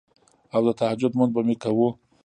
او د تهجد مونځ به مې کوو